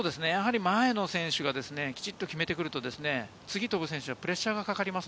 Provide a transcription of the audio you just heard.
前の選手がきちんと決めてくると、次に飛ぶ選手がプレッシャーがかかります。